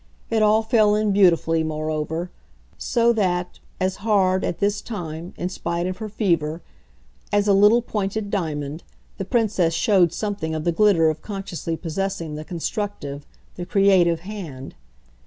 It all fell in beautifully, moreover; so that, as hard, at this time, in spite of her fever, as a little pointed diamond, the Princess showed something of the glitter of consciously possessing the constructive, the creative hand.